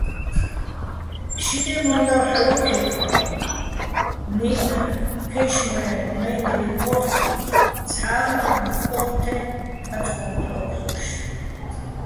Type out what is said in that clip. შიკეჸ მო́ნდავ ჰ̦ალო̆ ქჵექბალიჼ, ნიდაგ, ქაშმირეჼ მაჲნდლი ჴო́ხკიჼ, ცჰ̦აღ ნაყმაქ ო́თთეჼ კაწკოჼ ფლო́ქო̆ ჰ̦ოშ.